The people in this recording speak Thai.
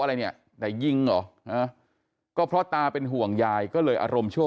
อะไรเนี่ยแต่ยิงเหรอก็เพราะตาเป็นห่วงยายก็เลยอารมณ์ชั่ว